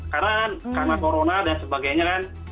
karena karena corona dan sebagainya kan